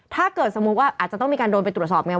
ถ้าเกิดสมมุติว่าอาจจะต้องมีการโดนไปตรวจสอบไง